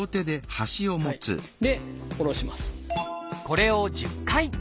これを１０回。